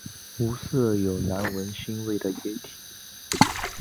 无色有难闻腥味的液体。